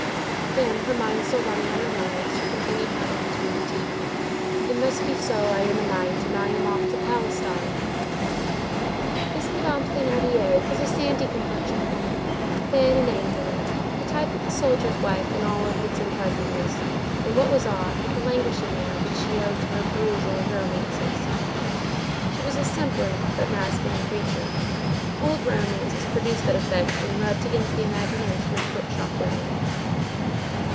Then, her mind still running on her romance, she resumed humming between her teeth:— "It must be so; I am a knight, And I am off to Palestine." This Madame Thénardier was a sandy complexioned woman, thin and angular—the type of the soldier's wife in all its unpleasantness; and what was odd, with a languishing air, which she owed to her perusal of romances. She was a simpering, but masculine creature. Old romances produce that effect when rubbed against the imagination of cook shop woman.